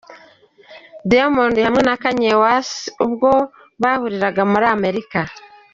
Diamond hamwe na Kanye West ubwo bahuriraga muri Amerika.